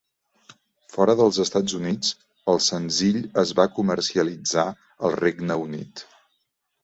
Fora dels Estats Units, el senzill es va comercialitzar al Regne Unit.